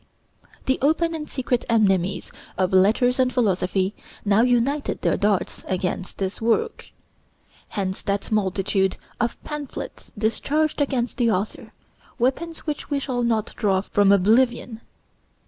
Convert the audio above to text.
The open and secret enemies of letters and philosophy now united their darts against this work. Hence that multitude of pamphlets discharged against the author, weapons which we shall not draw from oblivion.